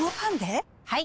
はい！